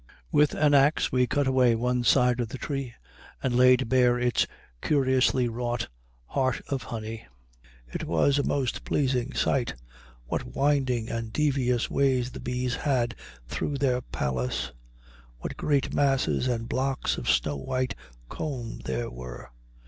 With an ax we cut away one side of the tree, and laid bare its curiously wrought heart of honey. It was a most pleasing sight. What winding and devious ways the bees had through their palace! What great masses and blocks of snow white comb there were!